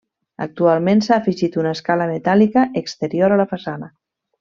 Actualment s'ha afegit una escala metàl·lica exterior a la façana.